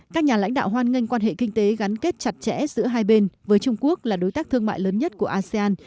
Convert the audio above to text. các nhà lãnh đạo hoan nghênh quan hệ kinh tế gắn kết chặt chẽ giữa hai bên với trung quốc là đối tác thương mại lớn nhất của asean